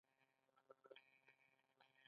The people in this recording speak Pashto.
عصري تعلیم مهم دی ځکه چې د ماشومانو روغتیا ساتي.